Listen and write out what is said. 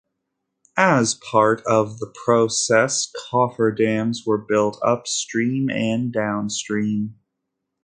As part of the process cofferdams were built upstream and downstream.